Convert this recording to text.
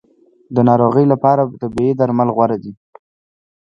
د ناروغۍ لپاره طبیعي درمل غوره دي